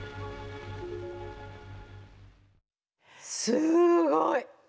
すごい！